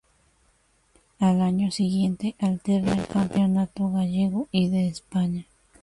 Al año siguiente alterna el campeonato gallego y de España.